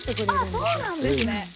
ああそうなんですね！